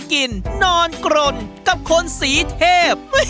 การนอนกรนนั่นก็สามารถเป็นการแข่งขันได้